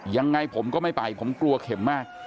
ยังไงผมก็ไม่ไปผมกลัวเข็มมาก